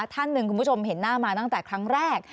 ท่านหนึ่งคุณผู้ชมเห็นหน้ามาตั้งแต่ครั้งแรก